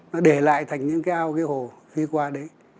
nó để lại thành những cái ao cái hồ khi qua đấy